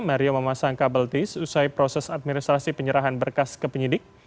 mario memasang kabel tis usai proses administrasi penyerahan berkas ke penyidik